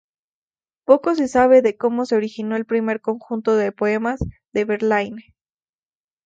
Poco se sabe de cómo se originó el primer conjunto de poemas de Verlaine.